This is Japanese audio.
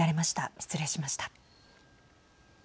失礼しました。